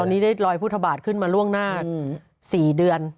ตอนนี้ได้ลอยพุทธบาทขึ้นมาล่วงหน้า๔เดือน